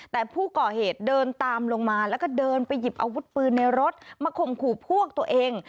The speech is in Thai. แต่ผู้ก่อเหตุเดินตามลงมาแล้วก็เดินไปหยิบอาวุธปืนในรถมาข่มขู่พวกตัวเอง